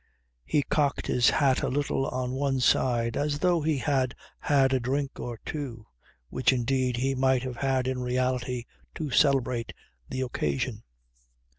He cocked his hat a little on one side as though he had had a drink or two which indeed he might have had in reality, to celebrate the occasion.